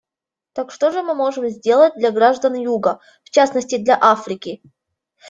Так что же мы можем сделать для граждан Юга, в частности для Африки?